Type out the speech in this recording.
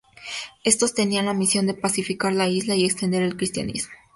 Estos tenían la misión de pacificar la isla y extender el Cristianismo.